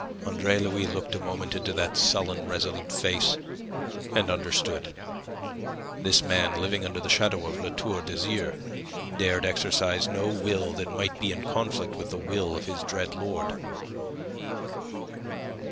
Andre Louis looked a moment into that sullen, resolute face, and understood. This man, living under the shadow of La Tour d'Azyr, dared exercise no will that might be in conflict with the will of his dread lord.